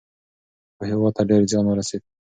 خو هیواد ته ډیر زیان ورسېد.